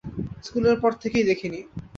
স্কুলের পর থেকেই দেখিনি।